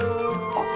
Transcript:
あっ。